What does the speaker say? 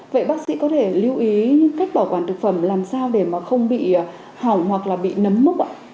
vậy bác sĩ có thể lưu ý cách bảo quản thực phẩm làm sao để mà không bị hỏng hoặc là bị nấm múc ạ